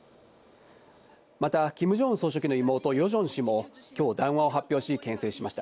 またキム・ジョンウン総書記の妹・ヨジョン氏も今日、談話を発表し、けん制しました。